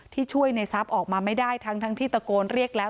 ที่ช่วยในทรัพย์ออกมาไม่ได้ทั้งที่ตะโกนเรียกแล้ว